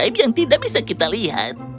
suatu hal yang tidak bisa kita lihat